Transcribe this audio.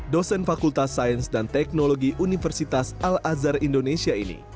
dosen fakultas sains dan teknologi universitas al azhar indonesia ini